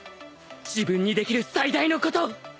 自分にできる最大のこと